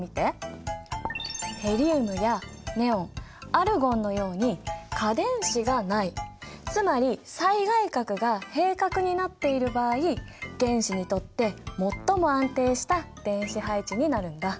ヘリウムやネオンアルゴンのように価電子がないつまり最外殻が閉殻になっている場合原子にとってもっとも安定した電子配置になるんだ。